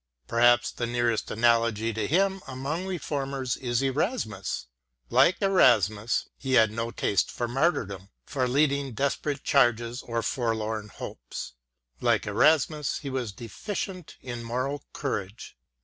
Perhaps the nearest analogy to him among Reformers is Erasmus. Like Erasmus, he had no taste for martyrdom, for leading desperate charges or forlorn hopes. Like Erasmus, he was deficient in moral courage.